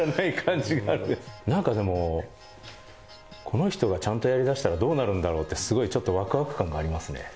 なんかでもこの人がちゃんとやりだしたらどうなるんだろう？ってすごいワクワク感がありますね。